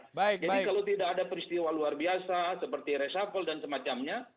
jadi kalau tidak ada peristiwa luar biasa seperti resapel dan semacamnya